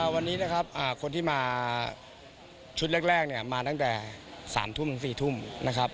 วันนี้นะครับคนที่มาชุดแรกเนี่ยมาตั้งแต่๓ทุ่มถึง๔ทุ่มนะครับ